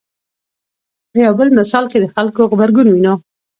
په یو بل مثال کې د خلکو غبرګون وینو.